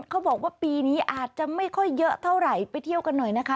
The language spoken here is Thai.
เขาบอกว่าปีนี้อาจจะไม่ค่อยเยอะเท่าไหร่ไปเที่ยวกันหน่อยนะคะ